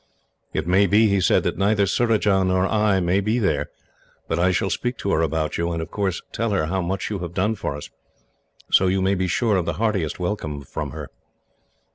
"It may be," he said, "that neither Surajah nor I may be there, but I shall speak to her about you, and of course tell her how much you have done for us; so you may be sure of the heartiest welcome from her."